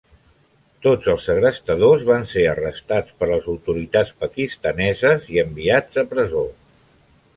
Tots els segrestadors van ser arrestats per les autoritats pakistaneses i enviats a presó.